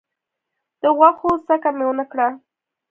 د غوښو څکه مي ونه کړه .